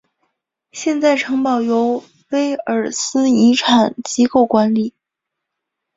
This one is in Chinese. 现在城堡由威尔斯遗产机构管理。